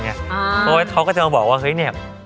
เพราะว่าเขาก็จะมาบอกว่า